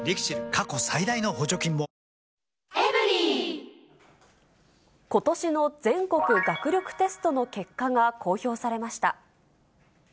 過去最大の補助金もことしの全国学力テストの結果が公表されました。